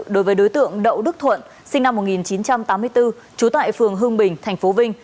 đối với đối tượng đậu đức thuận sinh năm một nghìn chín trăm tám mươi bốn trú tại phường hương bình tp vinh